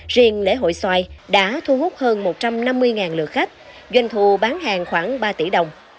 riêng lễ hội xoài đã thu hút hơn một trăm năm mươi lượt khách doanh thu bán hàng khoảng ba tỷ đồng